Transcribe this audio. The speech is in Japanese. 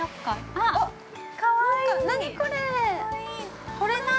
◆あっ◆何、これー。